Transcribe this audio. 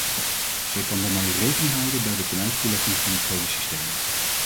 Zij kan daarmee rekening houden bij de tenuitvoerlegging van het gehele systeem.